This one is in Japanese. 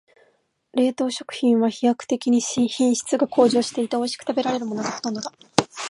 冷凍食品は飛躍的に品質が向上していて、おいしく食べられるものがほとんどだ。